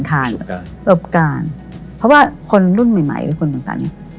ทานรบการเพราะว่าคนรุ่นใหม่หรือคนต่าง